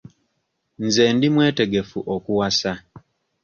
Nze ndi mwetegefu okuwasa.